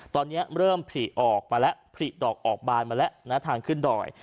ตอนนี้เริ่มผลิออกมาแล้วผลิดอกออกบานมาแล้วนะทางขึ้นดอย